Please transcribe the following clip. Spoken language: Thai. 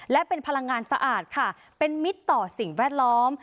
และเป็นพลังงานสะอาดค่ะเป็นมิตรต่อสิ่งแวดล้อม